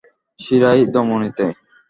শিরায়, ধমনীতে।